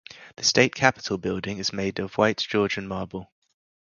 The state capitol building is made of white Georgian marble.